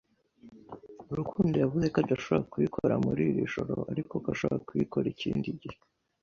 Rukundo yavuze ko adashobora kuyikora muri iri joro, ariko ko ashobora kuyikora ikindi gihe.